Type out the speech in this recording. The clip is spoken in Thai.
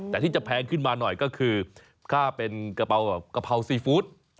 แต่ที่จะแพงขึ้นมาหน่อยก็คือค่าเป็นกะเพราซีฟู้ด